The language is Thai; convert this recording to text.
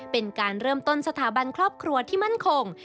เป็นการเริ่มต้นสถาบันครอบครัวที่มั่นคง